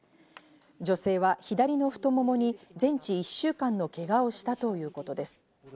女性は左の太ももに全治１週間のけがをしたということです。